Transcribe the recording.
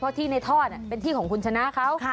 เพราะที่ในทอดเป็นที่ของคุณชนะเขา